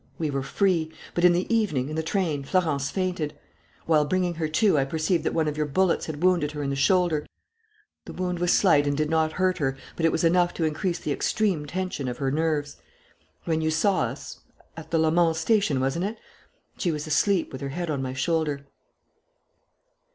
We were free. But in the evening, in the train, Florence fainted. While bringing her to I perceived that one of your bullets had wounded her in the shoulder. The wound was slight and did not hurt her, but it was enough to increase the extreme tension of her nerves. When you saw us at Le Mans station wasn't it? she was asleep, with her head on my shoulder."